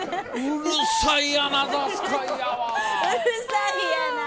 うるさいやな！